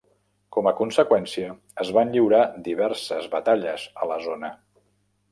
Com a conseqüència, es van lliurar diverses batalles a la zona.